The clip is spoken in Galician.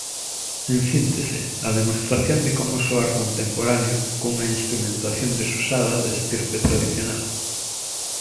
En síntese, a demostración de como soar contemporáneo cunha instrumentación desusada de estirpe tradicional.